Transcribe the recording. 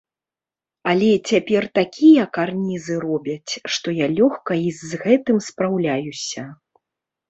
Але цяпер такія карнізы робяць, што я лёгка і з гэтым спраўляюся.